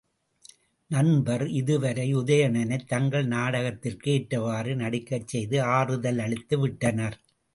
நண்பர் இதுவரை உதயணனைத் தங்கள் நாடகத் திற்கு ஏற்றவாறு நடிக்கச் செய்து ஆறுதலளித்து விட்டனர்.